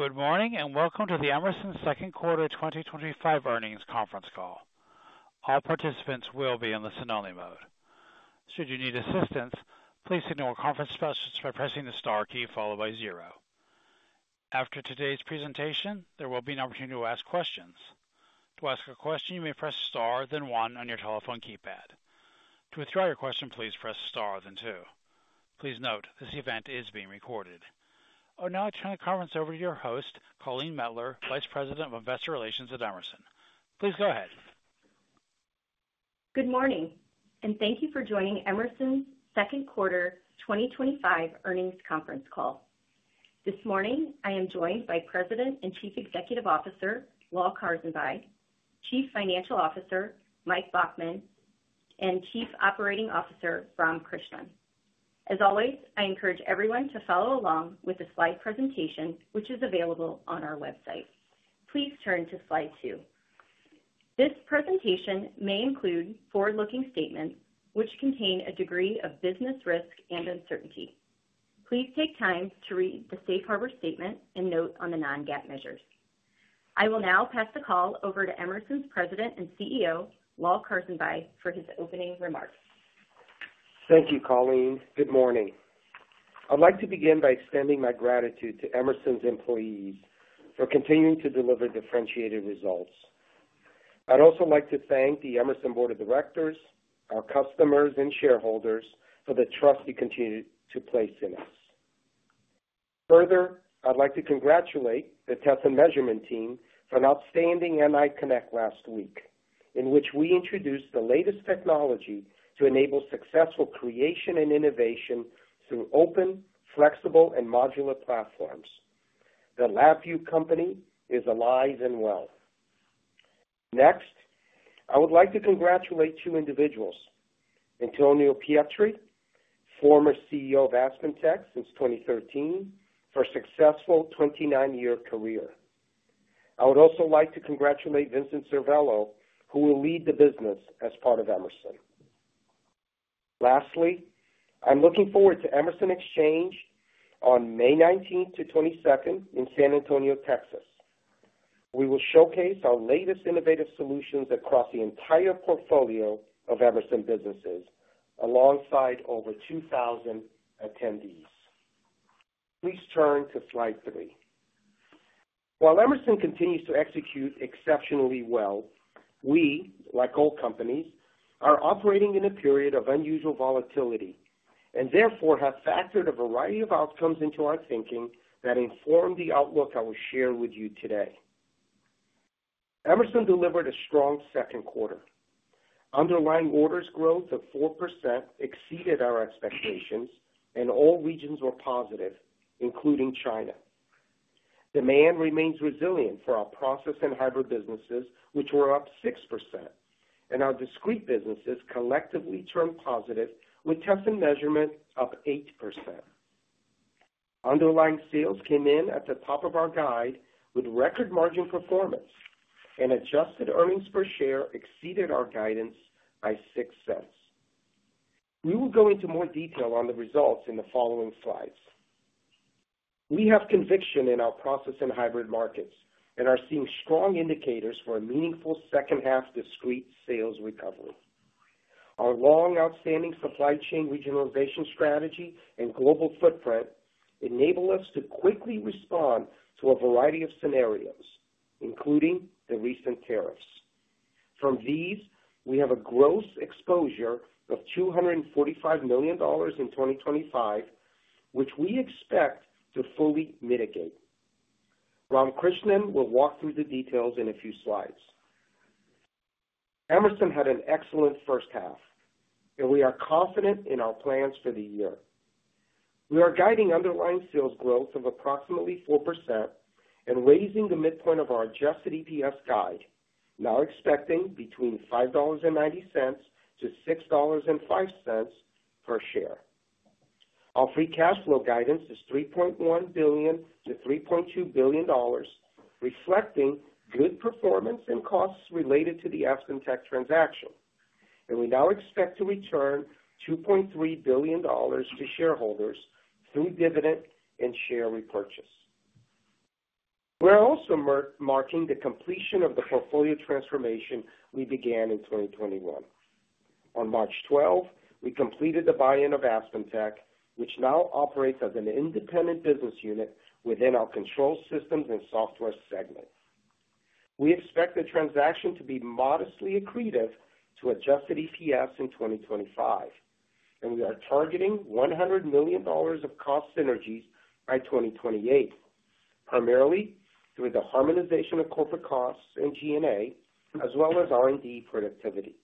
Good morning and welcome to the Emerson second quarter 2025 earnings conference call. All participants will be in the listen-only mode. Should you need assistance, please notify conference specialists by pressing the star key followed by zero. After today's presentation, there will be an opportunity to ask questions. To ask a question, you may press star then one on your telephone keypad. To withdraw your question, please press star then two. Please note this event is being recorded. I would now turn the conference over to your host, Colleen Mettler, Vice President of Investor Relations at Emerson. Please go ahead. Good morning and thank you for joining Emerson's second quarter 2025 earnings conference call. This morning, I am joined by President and Chief Executive Officer Lal Karsanbhai, Chief Financial Officer Mike Baughman, and Chief Operating Officer Ram Krishnan. As always, I encourage everyone to follow along with the slide presentation, which is available on our website. Please turn to slide two. This presentation may include forward-looking statements which contain a degree of business risk and uncertainty. Please take time to read the safe harbor statement and note on the non-GAAP measures. I will now pass the call over to Emerson's President and CEO, Lal Karsanbhai, for his opening remarks. Thank you, Colleen. Good morning. I'd like to begin by extending my gratitude to Emerson's employees for continuing to deliver differentiated results. I'd also like to thank the Emerson Board of Directors, our customers, and shareholders for the trust you continue to place in us. Further, I'd like to congratulate the test and measurement team for an outstanding NI Connect last week, in which we introduced the latest technology to enable successful creation and innovation through open, flexible, and modular platforms. The LabVIEW company is alive and well. Next, I would like to congratulate two individuals, Antonio Pietri, former CEO of AspenTech since 2013, for a successful 29-year career. I would also like to congratulate Vincent Servello, who will lead the business as part of Emerson. Lastly, I'm looking forward to Emerson Exchange on May 19 to 22 in San Antonio, Texas. We will showcase our latest innovative solutions across the entire portfolio of Emerson businesses alongside over 2,000 attendees. Please turn to slide three. While Emerson continues to execute exceptionally well, we, like all companies, are operating in a period of unusual volatility and therefore have factored a variety of outcomes into our thinking that inform the outlook I will share with you today. Emerson delivered a strong second quarter. Underlying orders growth of 4% exceeded our expectations, and all regions were positive, including China. Demand remains resilient for our process and hybrid businesses, which were up 6%, and our discrete businesses collectively turned positive with test and measurement up 8%. Underlying sales came in at the top of our guide with record margin performance, and adjusted earnings per share exceeded our guidance by 6 cents. We will go into more detail on the results in the following slides. We have conviction in our process and hybrid markets and are seeing strong indicators for a meaningful second half discrete sales recovery. Our long outstanding supply chain regionalization strategy and global footprint enable us to quickly respond to a variety of scenarios, including the recent tariffs. From these, we have a gross exposure of $245 million in 2025, which we expect to fully mitigate. Ram Krishnan will walk through the details in a few slides. Emerson had an excellent first half, and we are confident in our plans for the year. We are guiding underlying sales growth of approximately 4% and raising the midpoint of our adjusted EPS guide, now expecting between $5.90-$6.05 per share. Our free cash flow guidance is $3.1 billion-$3.2 billion, reflecting good performance and costs related to the AspenTech transaction, and we now expect to return $2.3 billion to shareholders through dividend and share repurchase. We are also marking the completion of the portfolio transformation we began in 2021. On March 12th, we completed the buy-in of AspenTech, which now operates as an independent business unit within our control systems and software segment. We expect the transaction to be modestly accretive to adjusted EPS in 2025, and we are targeting $100 million of cost synergies by 2028, primarily through the harmonization of corporate costs and G&A, as well as R&D productivity.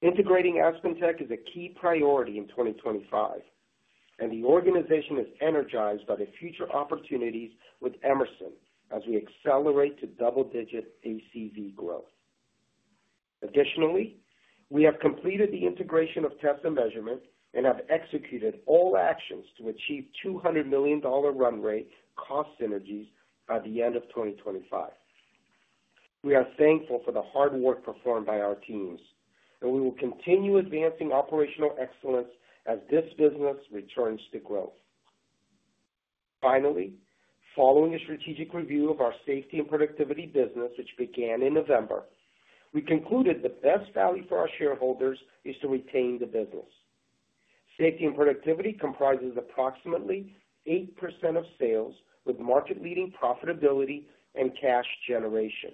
Integrating AspenTech is a key priority in 2025, and the organization is energized by the future opportunities with Emerson as we accelerate to double-digit ACV growth. Additionally, we have completed the integration of test and measurement and have executed all actions to achieve $200 million run rate cost synergies by the end of 2025. We are thankful for the hard work performed by our teams, and we will continue advancing operational excellence as this business returns to growth. Finally, following a strategic review of our safety and productivity business, which began in November, we concluded the best value for our shareholders is to retain the business. Safety and productivity comprises approximately 8% of sales, with market-leading profitability and cash generation.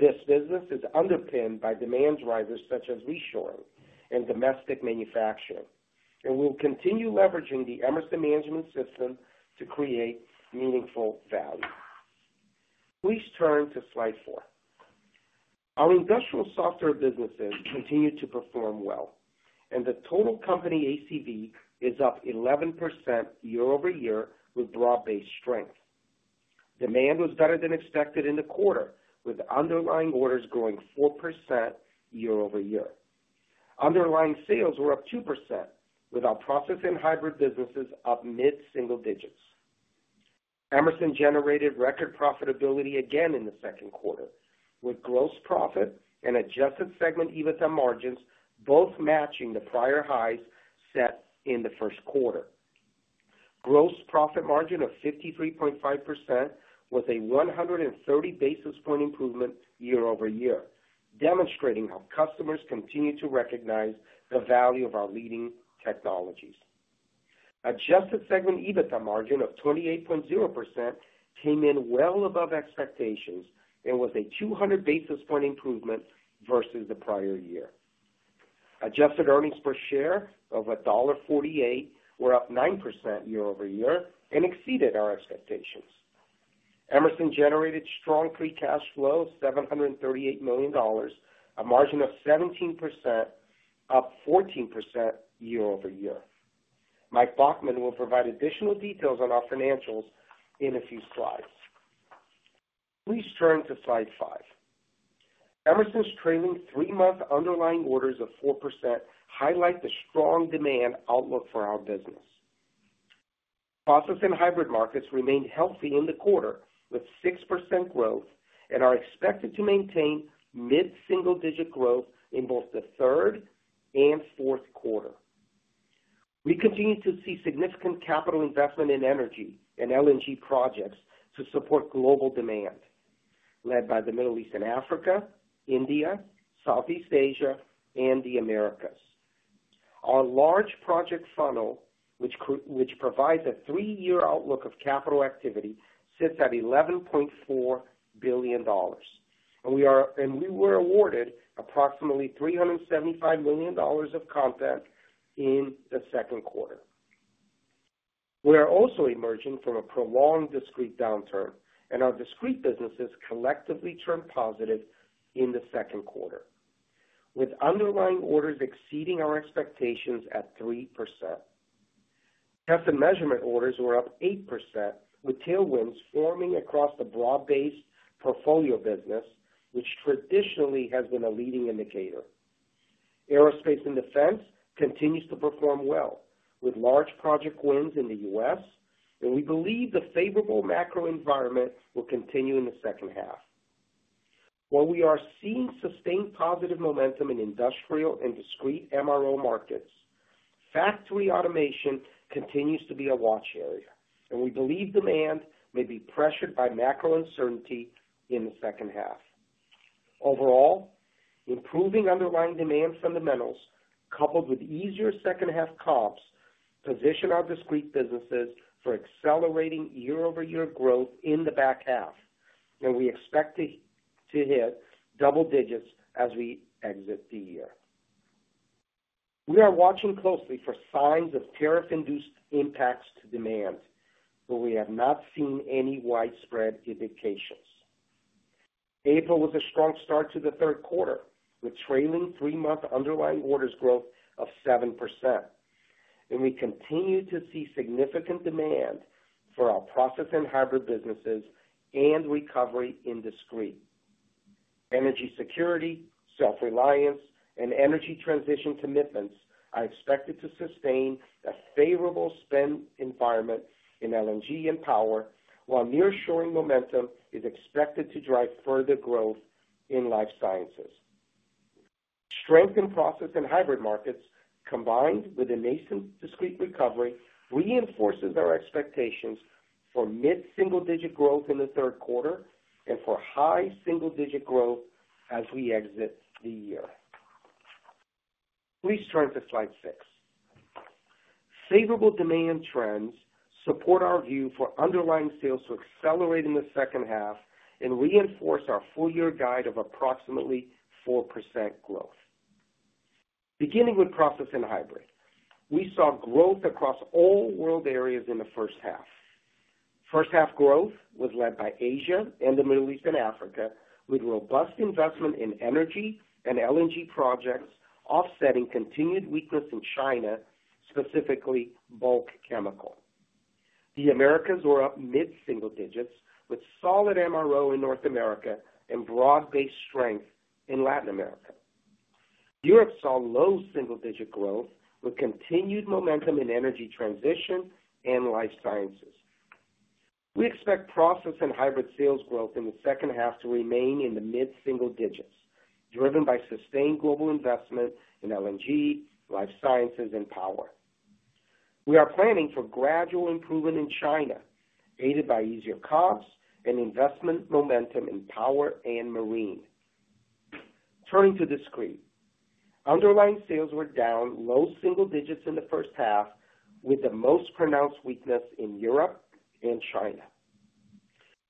This business is underpinned by demand drivers such as reshoring and domestic manufacturing, and we will continue leveraging the Emerson management system to create meaningful value. Please turn to slide four. Our industrial software businesses continue to perform well, and the total company ACV is up 11% year-over-year with broad-based strength. Demand was better than expected in the quarter, with underlying orders growing 4% year-over-year. Underlying sales were up 2%, with our process and hybrid businesses up mid-single digits. Emerson generated record profitability again in the second quarter, with gross profit and adjusted segment EBITDA margins both matching the prior highs set in the first quarter. Gross profit margin of 53.5% was a 130 basis point improvement year-over-year, demonstrating how customers continue to recognize the value of our leading technologies. Adjusted segment EBITDA margin of 28.0% came in well above expectations and was a 200 basis point improvement versus the prior year. Adjusted earnings per share of $1.48 were up 9% year-over-year and exceeded our expectations. Emerson generated strong free cash flow of $738 million, a margin of 17%, up 14% year-over-year. Mike Baughman will provide additional details on our financials in a few slides. Please turn to slide five. Emerson's trailing three-month underlying orders of 4% highlight the strong demand outlook for our business. Process and hybrid markets remained healthy in the quarter with 6% growth and are expected to maintain mid-single digit growth in both the third and fourth quarter. We continue to see significant capital investment in energy and LNG projects to support global demand, led by the Middle East and Africa, India, Southeast Asia, and the Americas. Our large project funnel, which provides a three-year outlook of capital activity, sits at $11.4 billion, and we were awarded approximately $375 million of content in the second quarter. We are also emerging from a prolonged discrete downturn, and our discrete businesses collectively turned positive in the second quarter, with underlying orders exceeding our expectations at 3%. Test and measurement orders were up 8%, with tailwinds forming across the broad-based portfolio business, which traditionally has been a leading indicator. Aerospace and defense continues to perform well, with large project wins in the U.S., and we believe the favorable macro environment will continue in the second half. While we are seeing sustained positive momentum in industrial and discrete MRO markets, factory automation continues to be a watch area, and we believe demand may be pressured by macro uncertainty in the second half. Overall, improving underlying demand fundamentals coupled with easier second half comps position our discrete businesses for accelerating year-over-year growth in the back half, and we expect to hit double digits as we exit the year. We are watching closely for signs of tariff-induced impacts to demand, but we have not seen any widespread indications. April was a strong start to the third quarter, with trailing three-month underlying orders growth of 7%, and we continue to see significant demand for our process and hybrid businesses and recovery in discrete. Energy security, self-reliance, and energy transition commitments are expected to sustain a favorable spend environment in LNG and power, while nearshoring momentum is expected to drive further growth in life sciences. Strength in process and hybrid markets, combined with a nascent discrete recovery, reinforces our expectations for mid-single digit growth in the third quarter and for high single digit growth as we exit the year. Please turn to slide six. Favorable demand trends support our view for underlying sales to accelerate in the second half and reinforce our full-year guide of approximately 4% growth. Beginning with process and hybrid, we saw growth across all world areas in the first half. First half growth was led by Asia and the Middle East and Africa, with robust investment in energy and LNG projects offsetting continued weakness in China, specifically bulk chemical. The Americas were up mid-single digits, with solid MRO in North America and broad-based strength in Latin America. Europe saw low single digit growth with continued momentum in energy transition and life sciences. We expect process and hybrid sales growth in the second half to remain in the mid-single digits, driven by sustained global investment in LNG, life sciences, and power. We are planning for gradual improvement in China, aided by easier comps and investment momentum in power and marine. Turning to discrete, underlying sales were down low single digits in the first half, with the most pronounced weakness in Europe and China.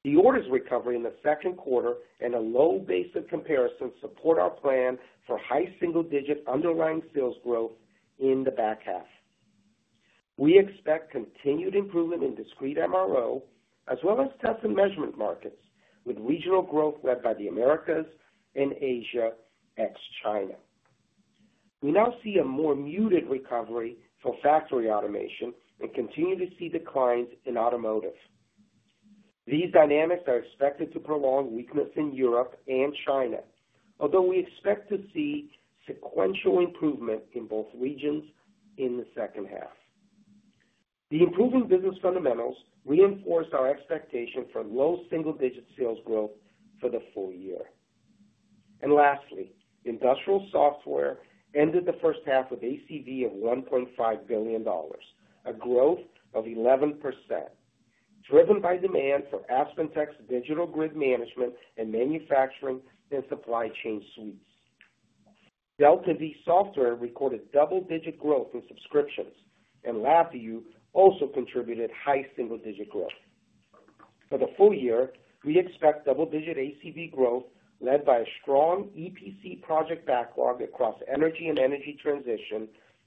The orders recovery in the second quarter and a low base of comparison support our plan for high single-digit underlying sales growth in the back half. We expect continued improvement in discrete MRO, as well as test and measurement markets, with regional growth led by the Americas and Asia ex China. We now see a more muted recovery for factory automation and continue to see declines in automotive. These dynamics are expected to prolong weakness in Europe and China, although we expect to see sequential improvement in both regions in the second half. The improving business fundamentals reinforce our expectation for low single-digit sales growth for the full year. Lastly, industrial software ended the first half with ACV of $1.5 billion, a growth of 11%, driven by demand for AspenTech's digital grid management and manufacturing and supply chain suites. DeltaV software recorded double digit growth in subscriptions, and LabVIEW also contributed high single digit growth. For the full year, we expect double digit ACV growth led by a strong EPC project backlog across energy and energy transition,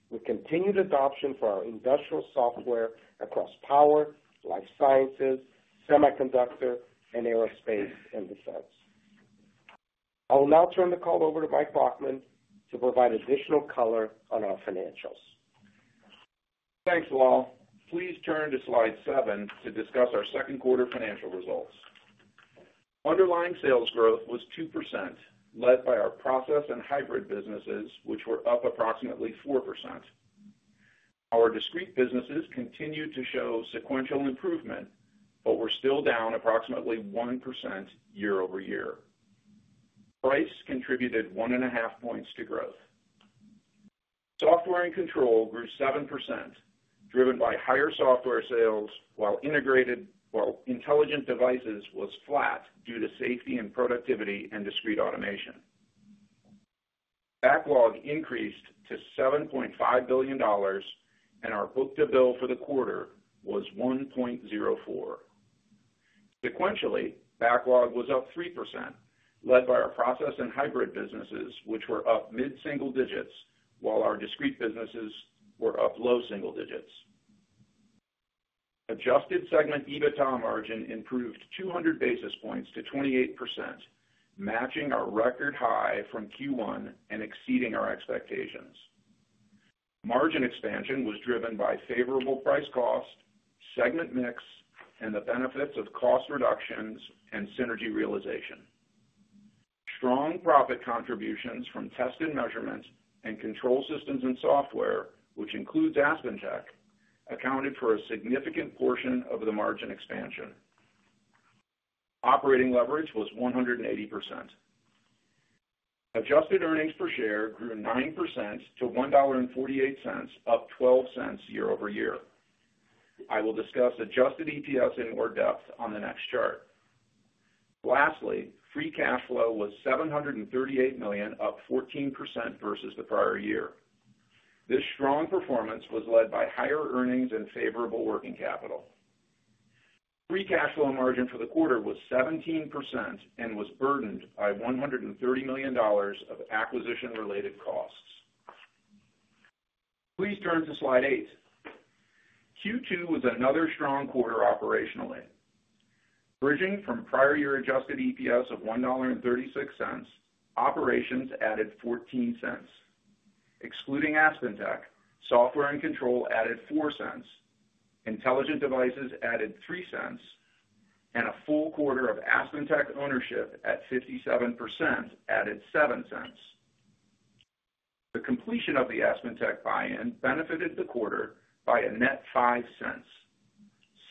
with continued adoption for our industrial software across power, life sciences, semiconductor, and aerospace and defense. I'll now turn the call over to Mike Baughman to provide additional color on our financials. Thanks, Lal. Please turn to slide seven to discuss our second quarter financial results. Underlying sales growth was 2%, led by our process and hybrid businesses, which were up approximately 4%. Our discrete businesses continued to show sequential improvement, but were still down approximately 1% year-over-year. Price contributed 1.5 points to growth. Software and control grew 7%, driven by higher software sales, while intelligent devices was flat due to safety and productivity and discrete automation. Backlog increased to $7.5 billion, and our book to bill for the quarter was 1.04. Sequentially, backlog was up 3%, led by our process and hybrid businesses, which were up mid-single digits, while our discrete businesses were up low single digits. Adjusted segment EBITDA margin improved 200 basis points to 28%, matching our record high from Q1 and exceeding our expectations. Margin expansion was driven by favorable price cost, segment mix, and the benefits of cost reductions and synergy realization. Strong profit contributions from test and measurement and control systems and software, which includes AspenTech, accounted for a significant portion of the margin expansion. Operating leverage was 180%. Adjusted earnings per share grew 9% to $1.48, up 12 cents year-over-year. I will discuss adjusted EPS in more depth on the next chart. Lastly, free cash flow was $738 million, up 14% versus the prior year. This strong performance was led by higher earnings and favorable working capital. Free cash flow margin for the quarter was 17% and was burdened by $130 million of acquisition-related costs. Please turn to slide eight. Q2 was another strong quarter operationally. Bridging from prior year adjusted EPS of $1.36, operations added $0.14. Excluding AspenTech, software and control added $0.04, intelligent devices added $0.03, and a full quarter of AspenTech ownership at 57% added $0.07. The completion of the AspenTech buy-in benefited the quarter by a net $0.05.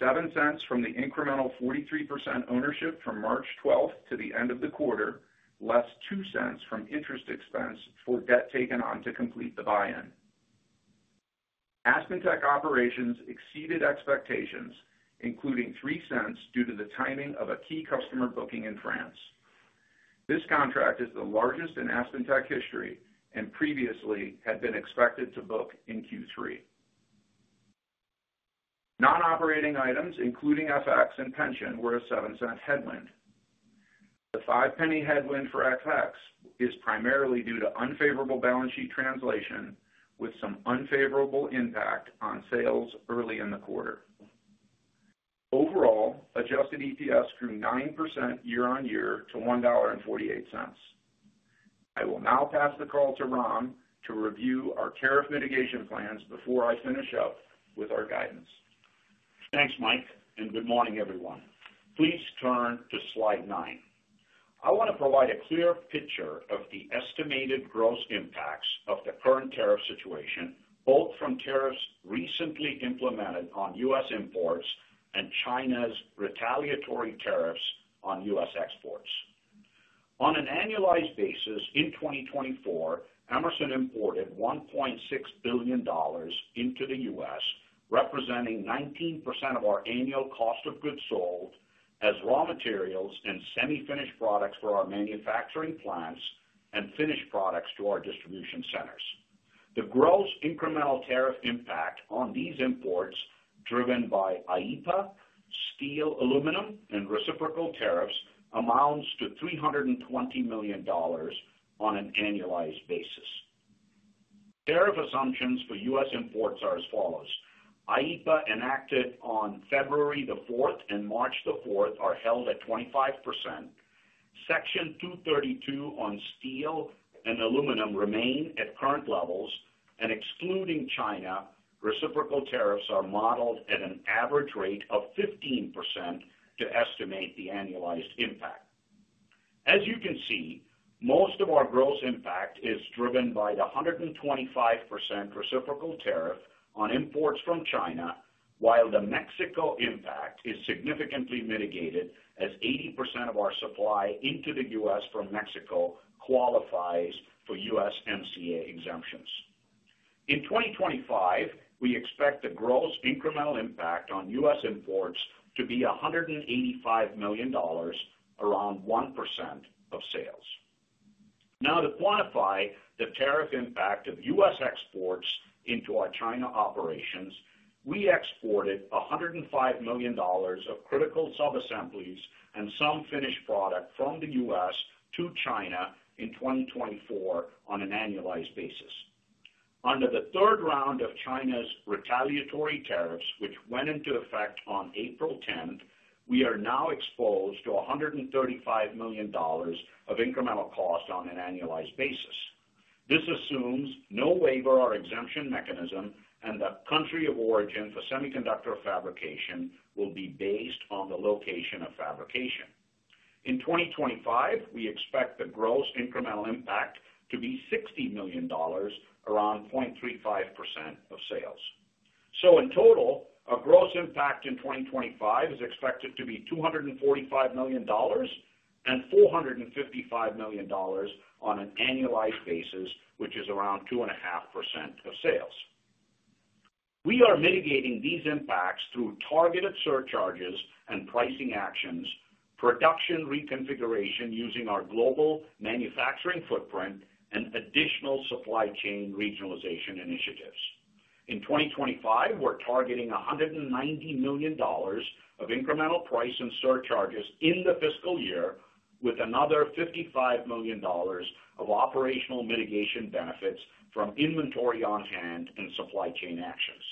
$0.07 from the incremental 43% ownership from March 12th to the end of the quarter less $0.02 from interest expense for debt taken on to complete the buy-in. AspenTech operations exceeded expectations, including $0.03 due to the timing of a key customer booking in France. This contract is the largest in AspenTech history and previously had been expected to book in Q3. Non-operating items, including FX and pension, were a $0.07 headwind. The $0.05 headwind for FX is primarily due to unfavorable balance sheet translation, with some unfavorable impact on sales early in the quarter. Overall, adjusted EPS grew 9% year on year to $1.48. I will now pass the call to Ram to review our tariff mitigation plans before I finish up with our guidance. Thanks, Mike, and good morning, everyone. Please turn to slide nine. I want to provide a clear picture of the estimated gross impacts of the current tariff situation, both from tariffs recently implemented on US imports and China's retaliatory tariffs on US exports. On an annualized basis, in 2024, Emerson imported $1.6 billion into the U.S., representing 19% of our annual cost of goods sold as raw materials and semi-finished products for our manufacturing plants and finished products to our distribution centers. The gross incremental tariff impact on these imports, driven by IEPA, steel, aluminum, and reciprocal tariffs, amounts to $320 million on an annualized basis. Tariff assumptions for U.S. imports are as follows. IEPA enacted on February the 4th and March the 4th are held at 25%. Section 232 on steel and aluminum remain at current levels, and excluding China, reciprocal tariffs are modeled at an average rate of 15% to estimate the annualized impact. As you can see, most of our gross impact is driven by the 125% reciprocal tariff on imports from China, while the Mexico impact is significantly mitigated as 80% of our supply into the U.S. from Mexico qualifies for USMCA exemptions. In 2025, we expect the gross incremental impact on U.S. imports to be $185 million, around 1% of sales. Now, to quantify the tariff impact of U.S. exports into our China operations, we exported $105 million of critical subassemblies and some finished product from the U.S. to China in 2024 on an annualized basis. Under the third round of China's retaliatory tariffs, which went into effect on April 10th, we are now exposed to $135 million of incremental cost on an annualized basis. This assumes no waiver or exemption mechanism, and the country of origin for semiconductor fabrication will be based on the location of fabrication. In 2025, we expect the gross incremental impact to be $60 million, around 0.35% of sales. In total, our gross impact in 2025 is expected to be $245 million and $455 million on an annualized basis, which is around 2.5% of sales. We are mitigating these impacts through targeted surcharges and pricing actions, production reconfiguration using our global manufacturing footprint, and additional supply chain regionalization initiatives. In 2025, we're targeting $190 million of incremental price and surcharges in the fiscal year, with another $55 million of operational mitigation benefits from inventory on hand and supply chain actions.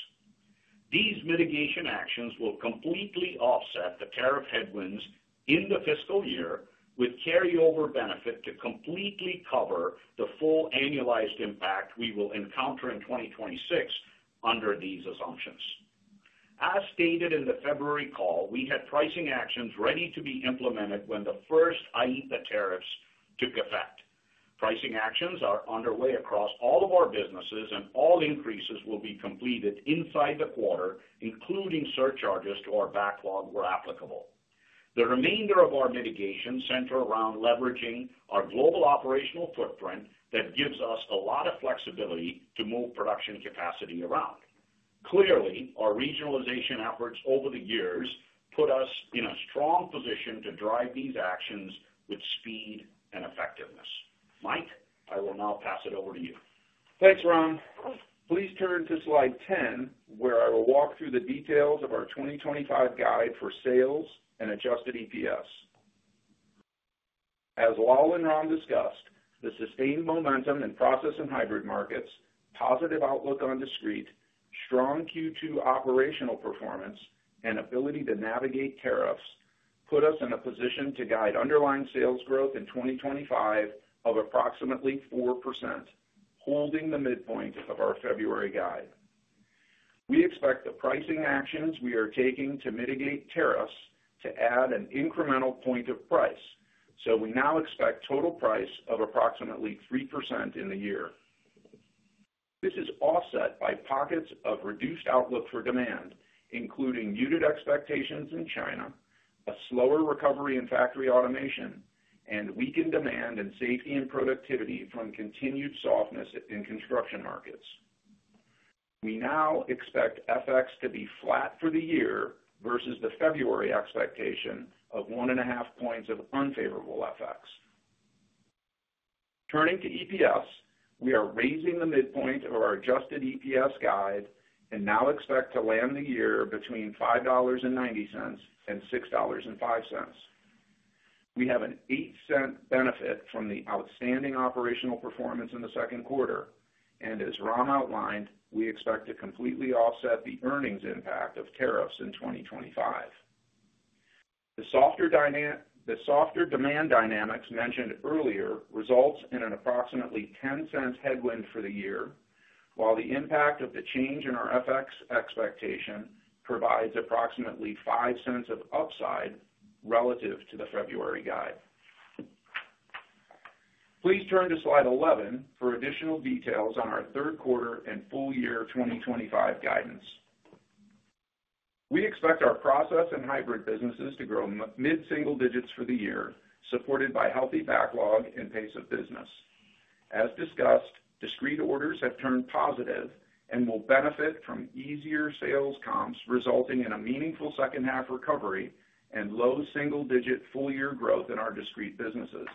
These mitigation actions will completely offset the tariff headwinds in the fiscal year, with carryover benefit to completely cover the full annualized impact we will encounter in 2026 under these assumptions. As stated in the February call, we had pricing actions ready to be implemented when the first IEPA tariffs took effect. Pricing actions are underway across all of our businesses, and all increases will be completed inside the quarter, including surcharges to our backlog where applicable. The remainder of our mitigation centers around leveraging our global operational footprint that gives us a lot of flexibility to move production capacity around. Clearly, our regionalization efforts over the years put us in a strong position to drive these actions with speed and effectiveness. Mike, I will now pass it over to you. Thanks, Ram. Please turn to slide 10, where I will walk through the details of our 2025 guide for sales and adjusted EPS. As Lal and Ram discussed, the sustained momentum in process and hybrid markets, positive outlook on discrete, strong Q2 operational performance, and ability to navigate tariffs put us in a position to guide underlying sales growth in 2025 of approximately 4%, holding the midpoint of our February guide. We expect the pricing actions we are taking to mitigate tariffs to add an incremental point of price, so we now expect total price of approximately 3% in the year. This is offset by pockets of reduced outlook for demand, including muted expectations in China, a slower recovery in factory automation, and weakened demand and safety and productivity from continued softness in construction markets. We now expect FX to be flat for the year versus the February expectation of one and a half points of unfavorable FX. Turning to EPS, we are raising the midpoint of our adjusted EPS guide and now expect to land the year between $5.90 and $6.05. We have an 8-cent benefit from the outstanding operational performance in the second quarter, and as Ram outlined, we expect to completely offset the earnings impact of tariffs in 2025. The softer demand dynamics mentioned earlier result in an approximately $0.10 headwind for the year, while the impact of the change in our FX expectation provides approximately $0.05 of upside relative to the February guide. Please turn to slide 11 for additional details on our third quarter and full year 2025 guidance. We expect our process and hybrid businesses to grow mid-single digits for the year, supported by healthy backlog and pace of business. As discussed, discrete orders have turned positive and will benefit from easier sales comps resulting in a meaningful second-half recovery and low single-digit full-year growth in our discrete businesses.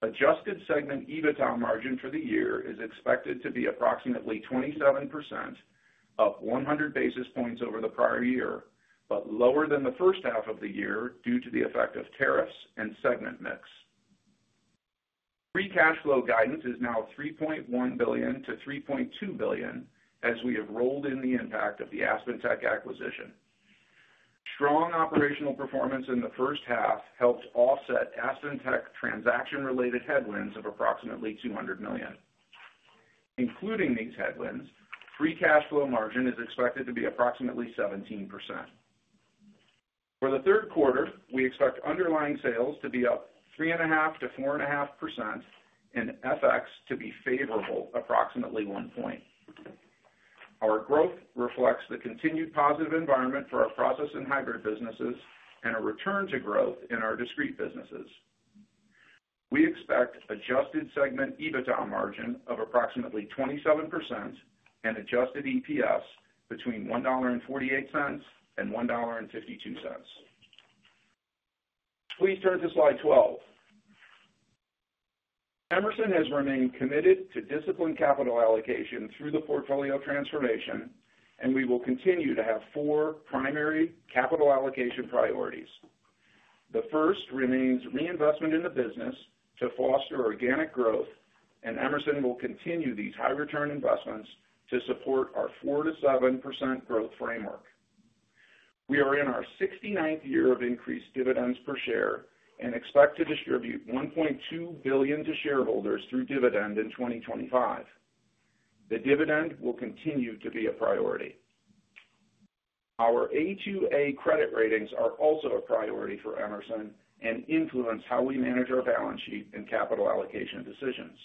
Adjusted segment EBITDA margin for the year is expected to be approximately 27%, up 100 basis points over the prior year, but lower than the first half of the year due to the effect of tariffs and segment mix. Free cash flow guidance is now $3.1 billion-$3.2 billion as we have rolled in the impact of the AspenTech acquisition. Strong operational performance in the first half helped offset AspenTech transaction-related headwinds of approximately $200 million. Including these headwinds, free cash flow margin is expected to be approximately 17%. For the third quarter, we expect underlying sales to be up 3.5%-4.5% and FX to be favorable approximately 1 point. Our growth reflects the continued positive environment for our process and hybrid businesses and a return to growth in our discrete businesses. We expect adjusted segment EBITDA margin of approximately 27% and adjusted EPS between $1.48 and $1.52. Please turn to slide 12. Emerson has remained committed to disciplined capital allocation through the portfolio transformation, and we will continue to have four primary capital allocation priorities. The first remains reinvestment in the business to foster organic growth, and Emerson will continue these high-return investments to support our 4%-7% growth framework. We are in our 69th year of increased dividends per share and expect to distribute $1.2 billion to shareholders through dividend in 2025. The dividend will continue to be a priority. Our A2A credit ratings are also a priority for Emerson and influence how we manage our balance sheet and capital allocation decisions.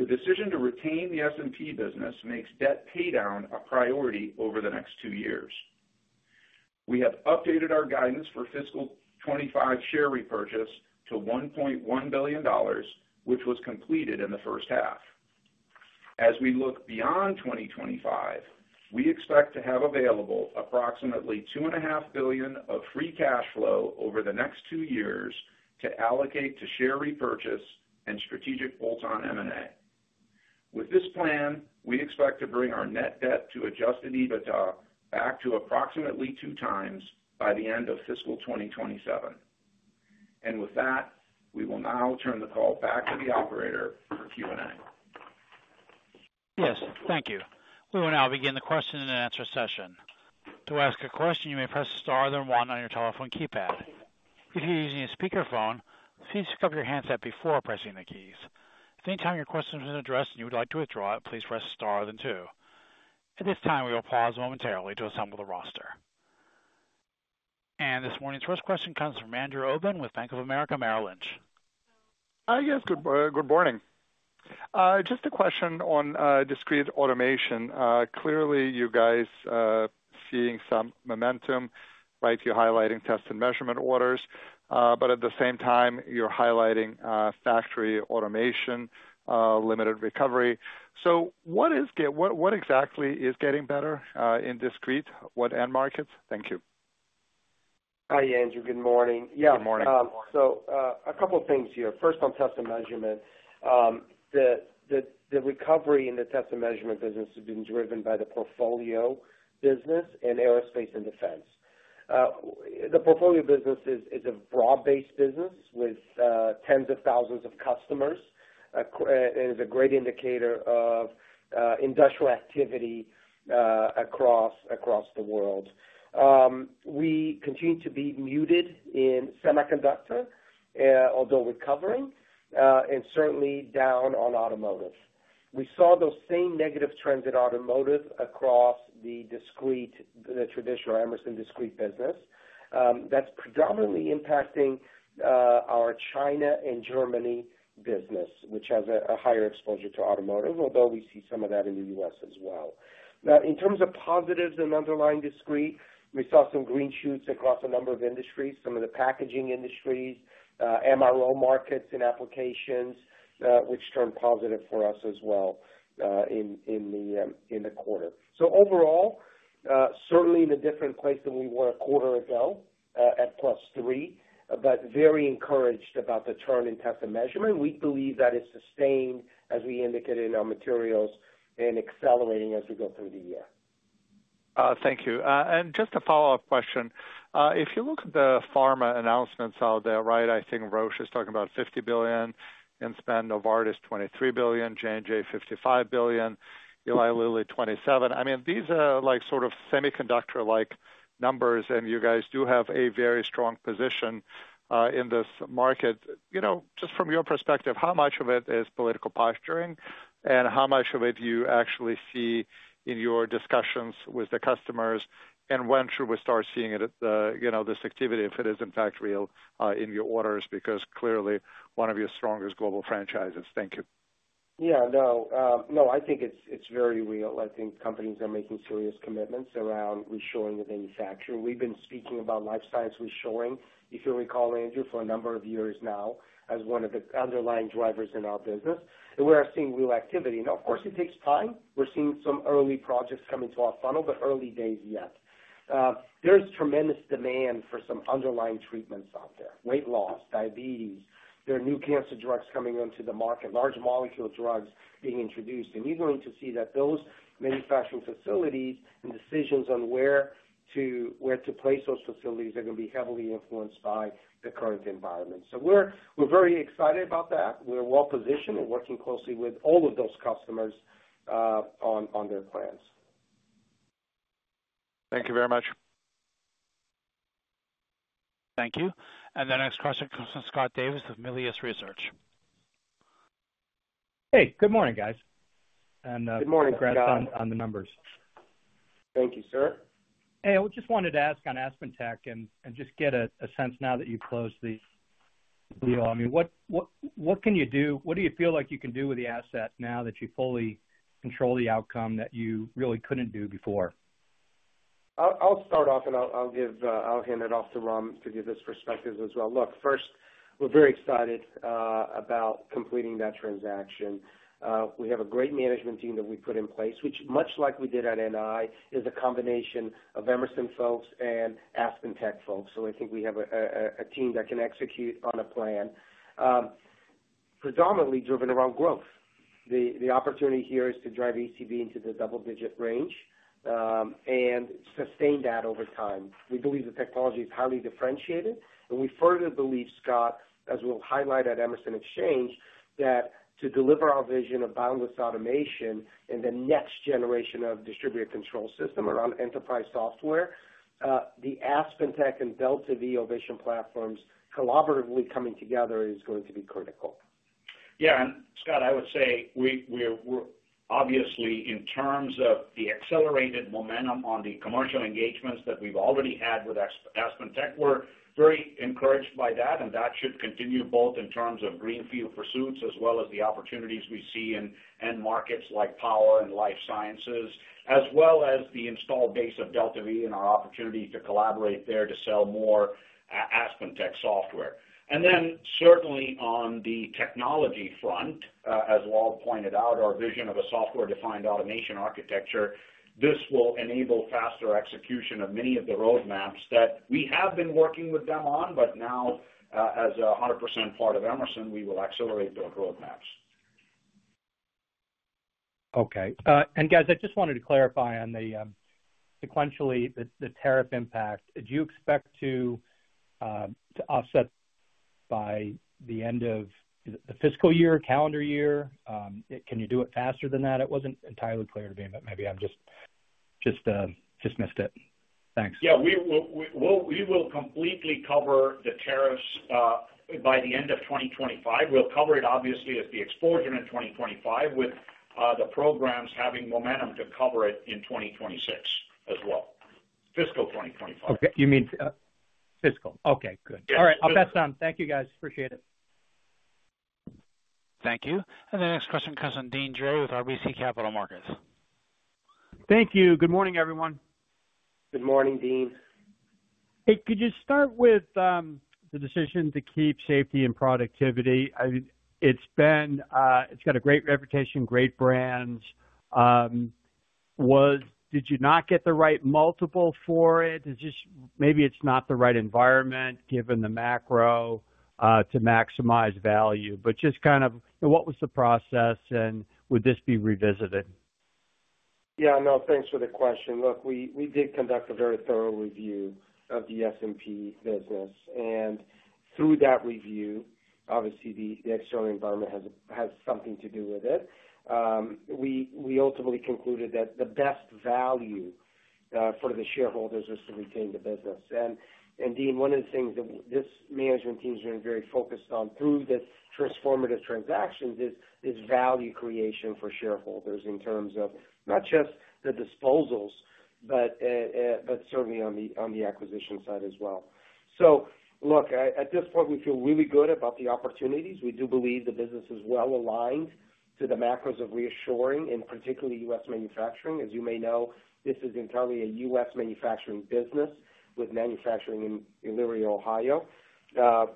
The decision to retain the S&P business makes debt paydown a priority over the next two years. We have updated our guidance for fiscal 2025 share repurchase to $1.1 billion, which was completed in the first half. As we look beyond 2025, we expect to have available approximately $2.5 billion of free cash flow over the next two years to allocate to share repurchase and strategic bolt-on M&A. With this plan, we expect to bring our net debt to adjusted EBITDA back to approximately two times by the end of fiscal 2027. With that, we will now turn the call back to the operator for Q&A. Yes, thank you. We will now begin the question and answer session. To ask a question, you may press star then one on your telephone keypad. If you're using a speakerphone, please hook up your handset before pressing the keys. If at any time your question has been addressed and you would like to withdraw it, please press star then two. At this time, we will pause momentarily to assemble the roster. This morning's first question comes from Andrew Obin with Bank of America, Merrill Lynch. Hi, yes, good morning. Just a question on discrete automation. Clearly, you guys are seeing some momentum, right? You're highlighting test and measurement orders, but at the same time, you're highlighting factory automation, limited recovery. What exactly is getting better in discrete? What end markets? Thank you. Hi, Andrew, good morning. Yeah. Good morning. A couple of things here. First, on test and measurement, the recovery in the test and measurement business has been driven by the portfolio business in aerospace and defense. The portfolio business is a broad-based business with tens of thousands of customers and is a great indicator of industrial activity across the world. We continue to be muted in semiconductor, although recovering, and certainly down on automotive. We saw those same negative trends in automotive across the traditional Emerson discrete business. That's predominantly impacting our China and Germany business, which has a higher exposure to automotive, although we see some of that in the US as well. Now, in terms of positives and underlying discrete, we saw some green shoots across a number of industries, some of the packaging industries, MRO markets and applications, which turned positive for us as well in the quarter. Overall, certainly in a different place than we were a quarter ago at plus three, but very encouraged about the turn in test and measurement. We believe that is sustained, as we indicated in our materials, and accelerating as we go through the year. Thank you. Just a follow-up question. If you look at the pharma announcements out there, right, I think Roche is talking about $50 billion in spend, Novartis $23 billion, J&J $55 billion, Eli Lilly $27 billion. I mean, these are sort of semiconductor-like numbers, and you guys do have a very strong position in this market. Just from your perspective, how much of it is political posturing, and how much of it do you actually see in your discussions with the customers, and when should we start seeing this activity if it is in fact real in your orders because clearly one of your strongest global franchises? Thank you. Yeah, no. No, I think it's very real. I think companies are making serious commitments around reshoring the manufacturing. We've been speaking about life science reshoring, if you recall, Andrew, for a number of years now as one of the underlying drivers in our business. We are seeing real activity. Of course, it takes time. We're seeing some early projects come into our funnel, but early days yet. There is tremendous demand for some underlying treatments out there: weight loss, diabetes. There are new cancer drugs coming onto the market, large molecule drugs being introduced. You're going to see that those manufacturing facilities and decisions on where to place those facilities are going to be heavily influenced by the current environment. We are very excited about that. We are well-positioned and working closely with all of those customers on their plans. Thank you very much. Thank you. The next question comes from Scott Davis of Melius Research. Hey, good morning, guys. Good morning, Scott. on the numbers. Thank you, sir. Hey, I just wanted to ask on AspenTech and just get a sense now that you've closed the deal. I mean, what can you do? What do you feel like you can do with the asset now that you fully control the outcome that you really could not do before? I'll start off, and I'll hand it off to Ram to give his perspectives as well. Look, first, we're very excited about completing that transaction. We have a great management team that we put in place, which, much like we did at NI, is a combination of Emerson folks and AspenTech folks. I think we have a team that can execute on a plan, predominantly driven around growth. The opportunity here is to drive EBITDA into the double-digit range and sustain that over time. We believe the technology is highly differentiated, and we further believe, Scott, as we'll highlight at Emerson Exchange, that to deliver our vision of boundless automation and the next generation of distributed control system around enterprise software, the AspenTech and DeltaV vision platforms collaboratively coming together is going to be critical. Yeah. Scott, I would say we're obviously, in terms of the accelerated momentum on the commercial engagements that we've already had with AspenTech, we're very encouraged by that, and that should continue both in terms of greenfield pursuits as well as the opportunities we see in end markets like power and life sciences, as well as the installed base of DeltaV and our opportunity to collaborate there to sell more AspenTech software. Certainly on the technology front, as Lal pointed out, our vision of a software-defined automation architecture will enable faster execution of many of the roadmaps that we have been working with them on, but now as a 100% part of Emerson, we will accelerate those roadmaps. Okay. I just wanted to clarify on the sequentially the tariff impact. Do you expect to offset by the end of the fiscal year, calendar year? Can you do it faster than that? It wasn't entirely clear to me, but maybe I just missed it. Thanks. Yeah. We will completely cover the tariffs by the end of 2025. We'll cover it, obviously, as the exposure in 2025, with the programs having momentum to cover it in 2026 as well, fiscal 2025. Okay. You mean fiscal. Okay. Good. All right. I'll pass on. Thank you, guys. Appreciate it. Thank you. The next question comes from Deane Dray with RBC Capital Markets. Thank you. Good morning, everyone. Good morning, Deane. Hey, could you start with the decision to keep safety and productivity? It's got a great reputation, great brands. Did you not get the right multiple for it? Maybe it's not the right environment given the macro to maximize value. Just kind of what was the process, and would this be revisited? Yeah. No, thanks for the question. Look, we did conduct a very thorough review of the S&P business. Through that review, obviously, the external environment has something to do with it. We ultimately concluded that the best value for the shareholders is to retain the business. Deane, one of the things that this management team has been very focused on through the transformative transactions is value creation for shareholders in terms of not just the disposals, but certainly on the acquisition side as well. At this point, we feel really good about the opportunities. We do believe the business is well aligned to the macros of reshoring, and particularly U.S. manufacturing. As you may know, this is entirely a US manufacturing business with manufacturing in Elyria, Ohio,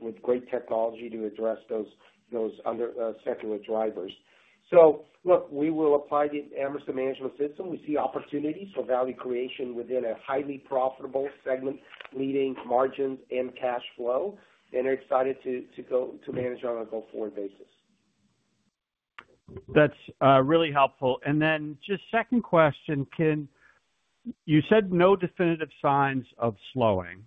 with great technology to address those secular drivers. Look, we will apply the Emerson management system. We see opportunities for value creation within a highly profitable segment, leading margins and cash flow, and we're excited to manage on a go-forward basis. That's really helpful. Just second question, you said no definitive signs of slowing,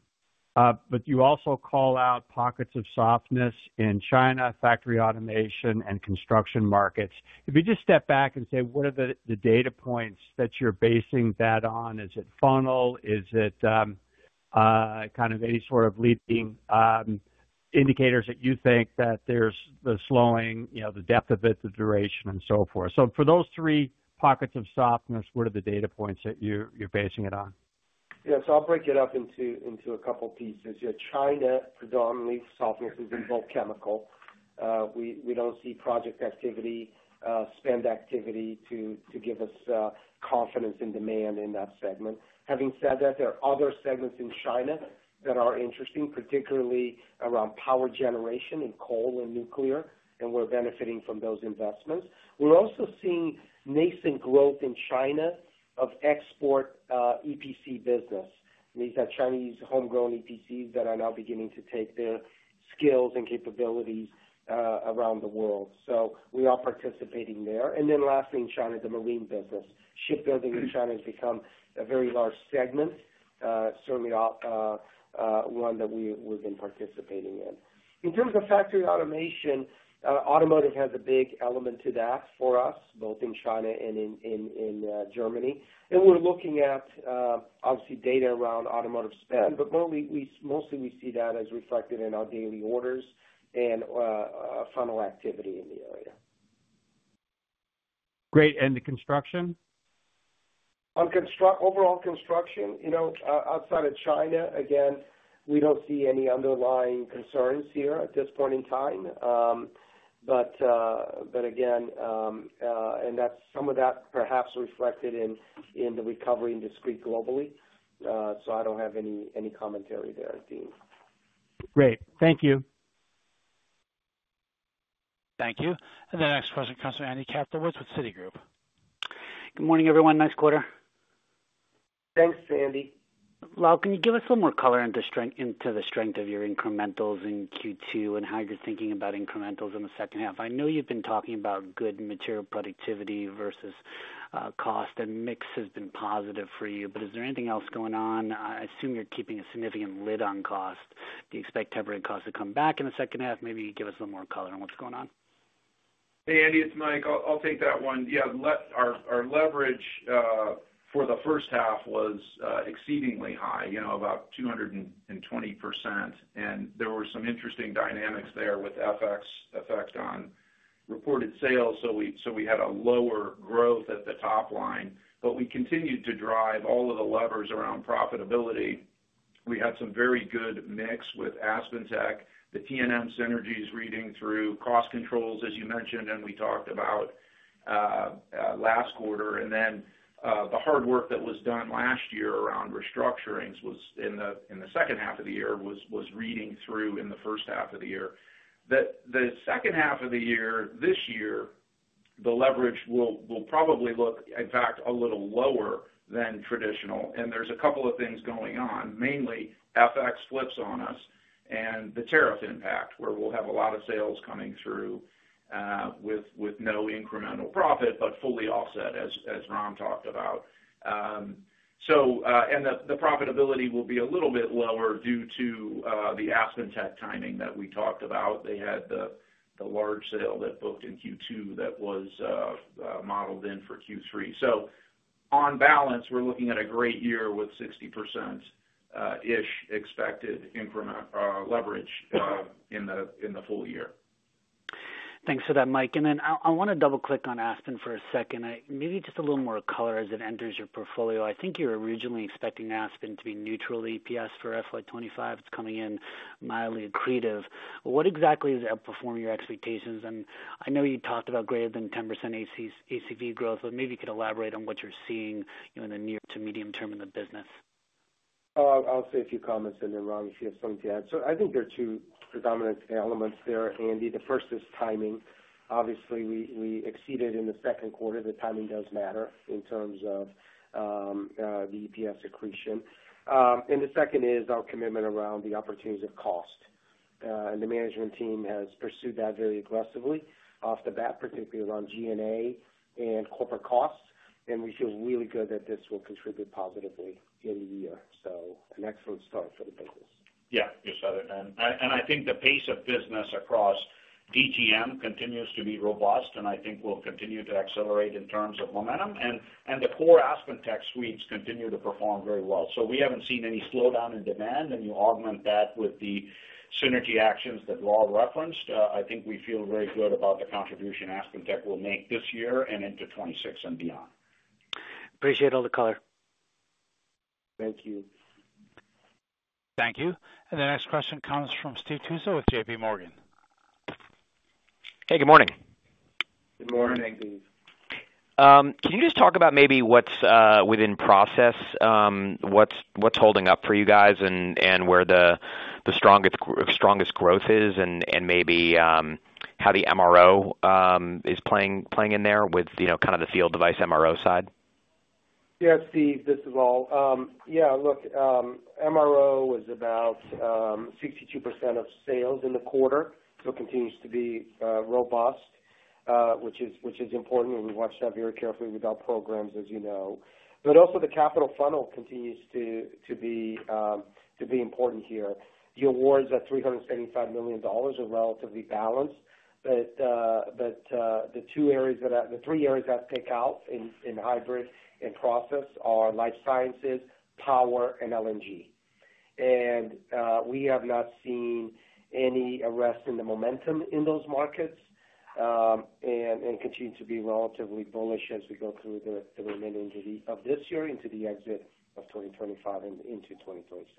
but you also call out pockets of softness in China, factory automation, and construction markets. If you just step back and say, what are the data points that you're basing that on? Is it funnel? Is it kind of any sort of leading indicators that you think that there's the slowing, the depth of it, the duration, and so forth? For those three pockets of softness, what are the data points that you're basing it on? Yes. I'll break it up into a couple of pieces. China predominantly softness is in bulk chemical. We don't see project activity, spend activity to give us confidence in demand in that segment. Having said that, there are other segments in China that are interesting, particularly around power generation and coal and nuclear, and we're benefiting from those investments. We're also seeing nascent growth in China of export EPC business. These are Chinese homegrown EPCs that are now beginning to take their skills and capabilities around the world. We are participating there. Lastly, in China, the marine business. Shipbuilding in China has become a very large segment, certainly one that we've been participating in. In terms of factory automation, automotive has a big element to that for us, both in China and in Germany. We're looking at, obviously, data around automotive spend, but mostly we see that as reflected in our daily orders and funnel activity in the area. Great. The construction? On overall construction, outside of China, again, we don't see any underlying concerns here at this point in time. Again, that's some of that perhaps reflected in the recovery in discrete globally. I don't have any commentary there, Deane. Great. Thank you. Thank you. The next question comes from Andy Kaplowitz with Citigroup. Good morning, everyone. Nice quarter. Thanks, Andy. Lal, can you give us a little more color into the strength of your incrementals in Q2 and how you're thinking about incrementals in the second half? I know you've been talking about good material productivity versus cost, and mix has been positive for you, but is there anything else going on? I assume you're keeping a significant lid on cost. Do you expect temporary costs to come back in the second half? Maybe you can give us a little more color on what's going on. Hey, Andy, it's Mike. I'll take that one. Yeah. Our leverage for the first half was exceedingly high, about 220%. There were some interesting dynamics there with FX effect on reported sales, so we had a lower growth at the top line. We continued to drive all of the levers around profitability. We had some very good mix with AspenTech. The TNM Synergy is reading through cost controls, as you mentioned, and we talked about last quarter. The hard work that was done last year around restructurings in the second half of the year was reading through in the first half of the year. The second half of the year this year, the leverage will probably look, in fact, a little lower than traditional. There's a couple of things going on. Mainly, FX flips on us and the tariff impact, where we'll have a lot of sales coming through with no incremental profit, but fully offset, as Ram talked about. The profitability will be a little bit lower due to the AspenTech timing that we talked about. They had the large sale that booked in Q2 that was modeled in for Q3. On balance, we're looking at a great year with 60%-ish expected increment leverage in the full year. Thanks for that, Mike. I want to double-click on Aspen for a second. Maybe just a little more color as it enters your portfolio. I think you were originally expecting Aspen to be neutral EPS for FY 2025. It's coming in mildly accretive. What exactly is it performing your expectations? I know you talked about greater than 10% ACV growth, but maybe you could elaborate on what you're seeing in the near to medium term in the business. I'll say a few comments in there, Ram, if you have something to add. I think there are two predominant elements there, Andy. The first is timing. Obviously, we exceeded in the second quarter. The timing does matter in terms of the EPS accretion. The second is our commitment around the opportunities of cost. The management team has pursued that very aggressively off the bat, particularly around G&A and corporate costs. We feel really good that this will contribute positively in the year. An excellent start for the business. Yeah. You said it, man. I think the pace of business across DGM continues to be robust, and I think we'll continue to accelerate in terms of momentum. The core AspenTech suites continue to perform very well. We haven't seen any slowdown in demand. You augment that with the synergy actions that Lal referenced. I think we feel very good about the contribution AspenTech will make this year and into 2026 and beyond. Appreciate all the color. \Thank you. Thank you. The next question comes from Steve Tusa with JP Morgan. Hey, good morning. Good morning, Steve. Can you just talk about maybe what's within process, what's holding up for you guys, and where the strongest growth is, and maybe how the MRO is playing in there with kind of the field device MRO side? Yeah, Steve, this is Lal. Yeah. Look, MRO was about 62% of sales in the quarter, so it continues to be robust, which is important. We watch that very carefully with our programs, as you know. Also, the capital funnel continues to be important here. The awards at $375 million are relatively balanced, but the two areas that the three areas that pick out in hybrid and process are life sciences, power, and LNG. We have not seen any arrest in the momentum in those markets and continue to be relatively bullish as we go through the remaining of this year into the exit of 2025 and into 2026.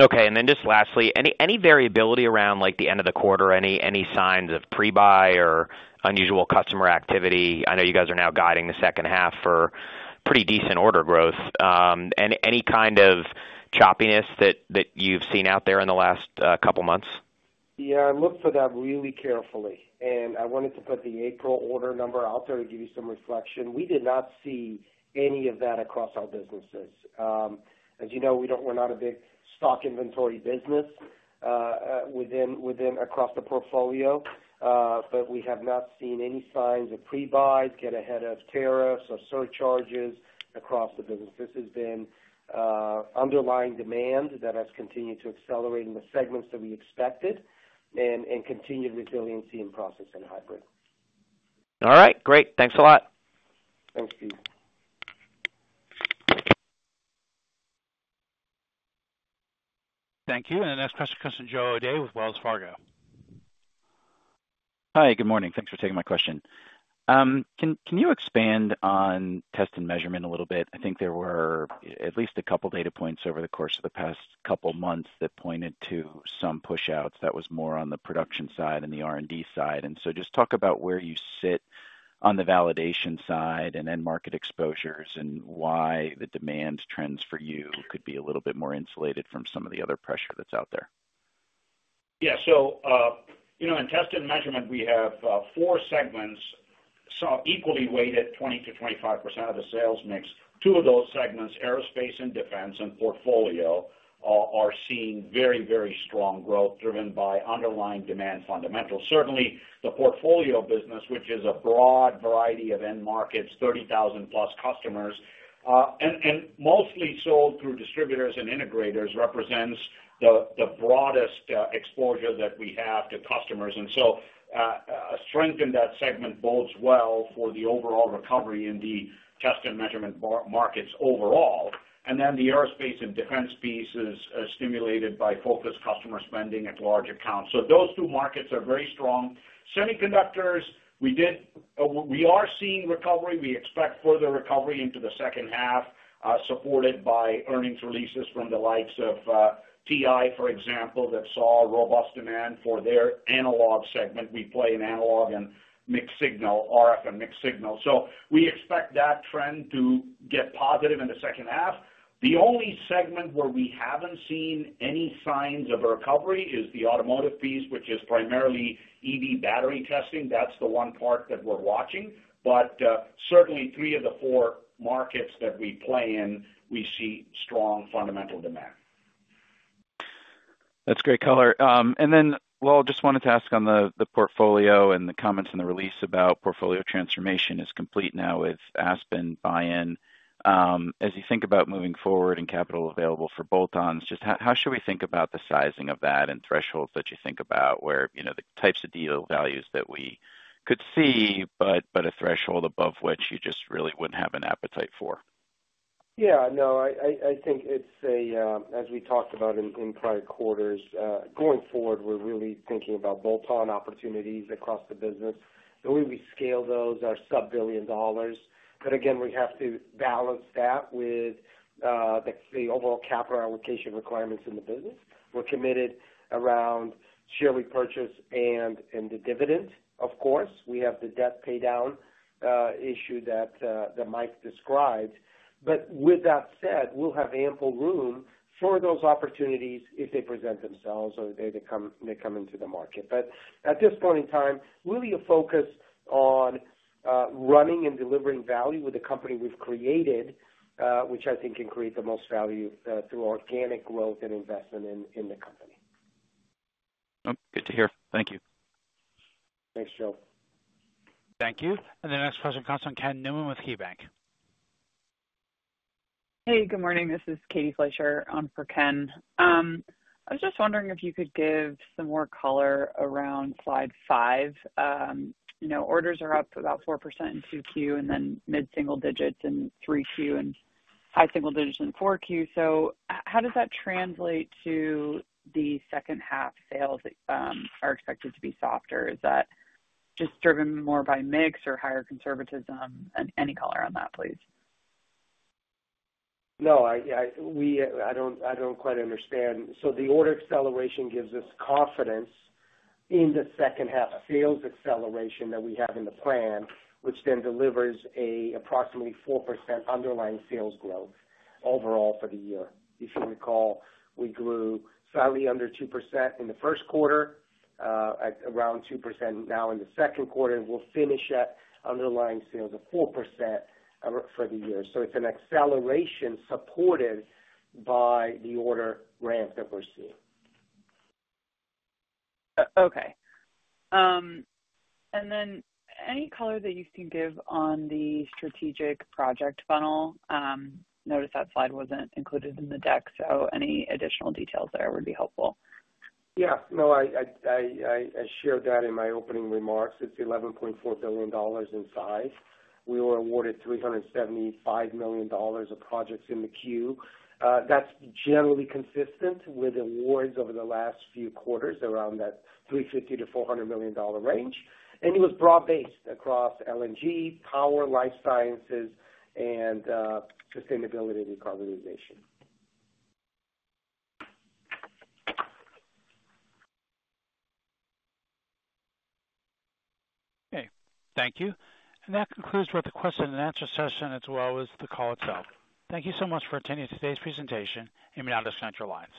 Okay. And then just lastly, any variability around the end of the quarter, any signs of pre-buy or unusual customer activity? I know you guys are now guiding the second half for pretty decent order growth. Any kind of choppiness that you've seen out there in the last couple of months? Yeah. I looked for that really carefully. I wanted to put the April order number out there to give you some reflection. We did not see any of that across our businesses. As you know, we're not a big stock inventory business across the portfolio, but we have not seen any signs of pre-buys, get ahead of tariffs or surcharges across the business. This has been underlying demand that has continued to accelerate in the segments that we expected and continued resiliency in process and hybrid. All right. Great. Thanks a lot. Thanks, Steve. Thank you. The next question comes from Joe O'Dea with Wells Fargo. Hi. Good morning. Thanks for taking my question. Can you expand on test and measurement a little bit? I think there were at least a couple of data points over the course of the past couple of months that pointed to some push-outs that was more on the production side and the R&D side. Just talk about where you sit on the validation side and end market exposures and why the demand trends for you could be a little bit more insulated from some of the other pressure that's out there. Yeah. In test and measurement, we have four segments equally weighted, 20%-25% of the sales mix. Two of those segments, aerospace and defense and portfolio, are seeing very, very strong growth driven by underlying demand fundamentals. Certainly, the portfolio business, which is a broad variety of end markets, 30,000-plus customers, and mostly sold through distributors and integrators, represents the broadest exposure that we have to customers. A strength in that segment bodes well for the overall recovery in the test and measurement markets overall. The aerospace and defense piece is stimulated by focused customer spending at large accounts. Those two markets are very strong. Semiconductors, we are seeing recovery. We expect further recovery into the second half, supported by earnings releases from the likes of Texas Instruments, for example, that saw robust demand for their analog segment. We play in analog and mixed signal, RF and mixed signal. We expect that trend to get positive in the second half. The only segment where we have not seen any signs of a recovery is the automotive piece, which is primarily EV battery testing. That is the one part that we are watching. Certainly, three of the four markets that we play in, we see strong fundamental demand. That is great color. I just wanted to ask on the portfolio and the comments in the release about portfolio transformation is complete now with Aspen buy-in. As you think about moving forward and capital available for bolt-ons, just how should we think about the sizing of that and thresholds that you think about where the types of deal values that we could see, but a threshold above which you just really would not have an appetite for? Yeah. No, I think it is a, as we talked about in prior quarters, going forward, we are really thinking about bolt-on opportunities across the business. The way we scale those are sub-billion dollars. Again, we have to balance that with the overall capital allocation requirements in the business. We are committed around share repurchase and in the dividend, of course. We have the debt paydown issue that Mike described. With that said, we'll have ample room for those opportunities if they present themselves or they come into the market. At this point in time, really a focus on running and delivering value with the company we've created, which I think can create the most value through organic growth and investment in the company. Good to hear. Thank you. Thanks, Joe. Thank you. The next question comes from Ken Newman with KeyBanc. Hey, good morning. This is Katie Fleischer for Ken. I was just wondering if you could give some more color around slide five. Orders are up about 4% in Q2 and then mid-single digits in Q3 and high single digits in Q4. How does that translate to the second half sales are expected to be softer? Is that just driven more by mix or higher conservatism? Any color on that, please. No, I don't quite understand. The order acceleration gives us confidence in the second half sales acceleration that we have in the plan, which then delivers an approximately 4% underlying sales growth overall for the year. If you recall, we grew slightly under 2% in the first quarter, at around 2% now in the second quarter, and we'll finish at underlying sales of 4% for the year. It is an acceleration supported by the order ramp that we're seeing. Okay. Any color that you can give on the strategic project funnel? Noticed that slide wasn't included in the deck, so any additional details there would be helpful. Yeah. No, I shared that in my opening remarks. It's $11.4 billion in size. We were awarded $375 million of projects in the queue. That's generally consistent with awards over the last few quarters around that $350 million-$400 million range. It was broad-based across LNG, power, life sciences, and sustainability and decarbonization. Thank you. That concludes both the question and answer session as well as the call itself. Thank you so much for attending today's presentation. I'm now disconnecting your line.